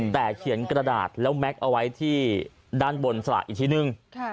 แต่เขียนกระดาษแล้วแม็กซ์เอาไว้ที่ด้านบนสลากอีกทีนึง